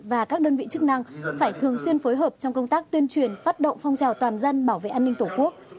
và các đơn vị chức năng phải thường xuyên phối hợp trong công tác tuyên truyền phát động phong trào toàn dân bảo vệ an ninh tổ quốc